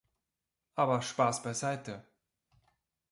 Aber Spaß beiseite.